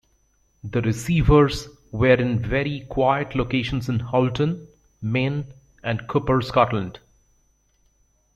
The receivers were in very quiet locations in Houlton, Maine and Cupar Scotland.